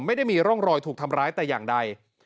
ไม่ได้มีร่องรอยถูกทำร้ายแต่อย่างใด